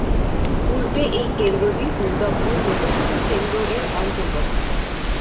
পূর্বে এই কেন্দ্রটি দুর্গাপুর লোকসভা কেন্দ্র এর অন্তর্গত।